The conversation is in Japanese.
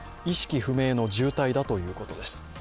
意識不明の重体だということです。